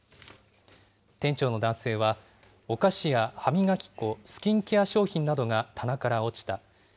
店長の男性は、お菓子や歯磨き粉、スキンケア商品などが棚から落ちた。